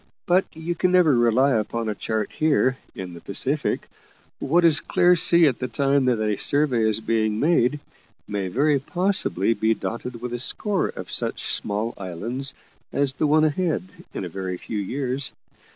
But you can never rely upon a chart here, in the Pacific; what is clear sea at the time that a survey is being made, may very possibly be dotted with a score of such small islands as the one ahead in a very few years.